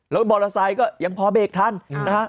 แล้วรถมอเตอร์ไซค์ก็ยังพอเบกทันนะครับ